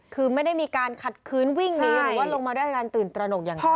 คือไม่ได้มีการขัดคืนวิ่งหนีหรือว่าลงมาด้วยอาการตื่นตระหนกอย่างจริง